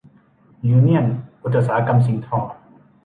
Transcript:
ยูเนี่ยนอุตสาหกรรมสิ่งทอ